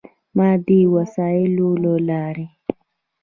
مادي وسایلو له لارې.